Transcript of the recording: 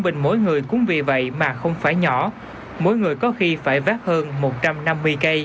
mình nói có gì nhiều lắm